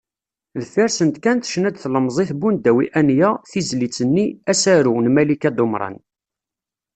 Deffir-sent kan tecna-d tlemẓit Bundawi Anya, tizlit-nni “Asaru” n Malika Dumran.